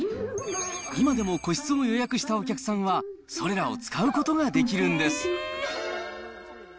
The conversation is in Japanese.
今でも個室を予約したお客さんは、それらを使うことができるんです。